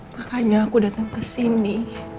makanya aku datang ke sini